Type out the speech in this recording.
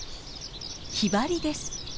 ヒバリです。